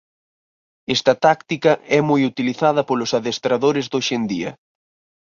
Esta táctica é moi utilizada polos adestradores de hoxe en día.